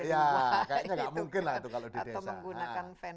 kayaknya tidak mungkin lah itu kalau di desa